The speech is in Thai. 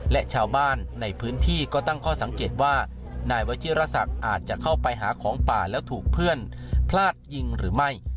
และชาวบ้านในพื้นที่ก็ตั้งข้อสังเกตว่านายวัชิรษักอาจจะเข้าไปหาของป่าแล้วถูกเพื่อนพลาดยิงหรือไม่